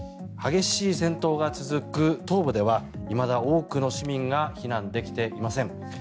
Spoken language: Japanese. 激しい戦闘が続く東部ではいまだ多くの市民が避難できていません。